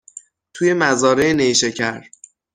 توی مزارع نیشکر